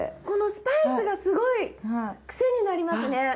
このスパイスがすごいクセになりますね。